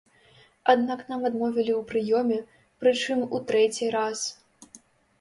Аднак нам адмовілі ў прыёме, прычым у трэці раз.